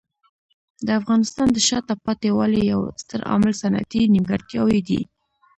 د افغانستان د شاته پاتې والي یو ستر عامل صنعتي نیمګړتیاوې دي.